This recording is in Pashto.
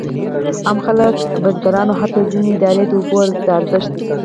عام خلک، کروندګر او حتی ځینې ادارې د اوبو د ارزښت.